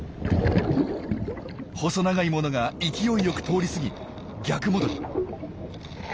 細長いものが勢いよく通り過ぎ逆戻り。